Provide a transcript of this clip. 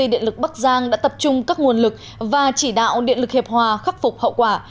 điện lực bắc giang đã tập trung các nguồn lực và chỉ đạo điện lực hiệp hòa khắc phục hậu quả